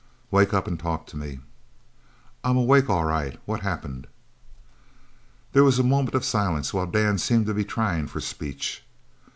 "Wake up and talk to me." "I'm awake all right. What's happened?" There was a moment of silence while Dan seemed to be trying for speech.